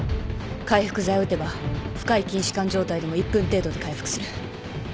回復剤を打てば深い筋弛緩状態でも１分程度で回復する。